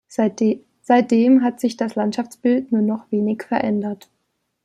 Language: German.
Seitdem hat sich das Landschaftsbild nur noch wenig verändert.